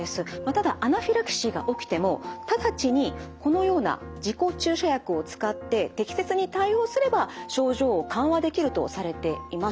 ただアナフィラキシーが起きても直ちにこのような自己注射薬を使って適切に対応すれば症状を緩和できるとされています。